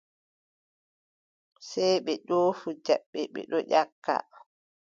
Sey ɓe ɗoofi jabbe, ɓe ɗon nyakka.